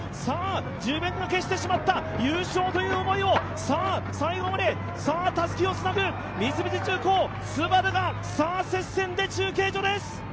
自分で消してしまった優勝という思いを最後までたすきをつなぐ、三菱重工ＳＵＢＡＲＵが接戦で中継所です。